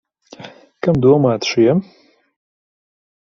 Kam domāti šie?